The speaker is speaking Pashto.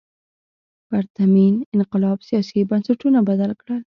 پرتمین انقلاب سیاسي بنسټونه بدل کړل.